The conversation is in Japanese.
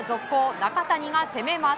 中谷が攻めます。